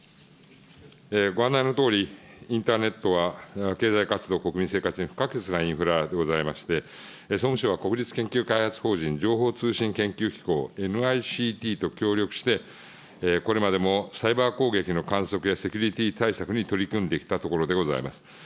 ご案内のとおり、インターネットは経済活動、国民生活に不可欠なインフラでございまして、総務省は、国立研究開発法人情報通信研究機構・ＮＩＣＴと協力してこれまでもサイバー攻撃の観測や、セキュリティ対策に取り組んできたところでございます。